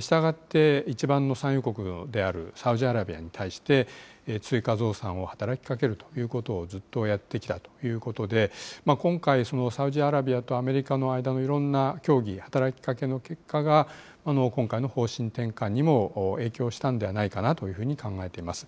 したがって、一番の産油国であるサウジアラビアに対して、追加増産を働きかけるということを、ずっとやってきたということで、今回、サウジアラビアとアメリカの間のいろんな協議、働きかけの結果が今回の方針転換にも影響したんではないかなというふうに考えています。